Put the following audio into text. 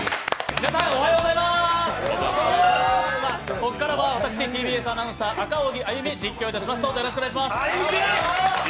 ここからは私・ＴＢＳアナウンサー・赤荻歩、実況します。